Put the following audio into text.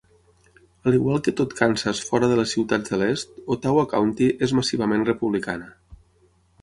Al igual que tot Kansas fora de les ciutats de l"est, Ottawa County és massivament republicana.